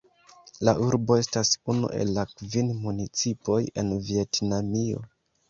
La urbo estas unu el la kvin municipoj en Vjetnamio.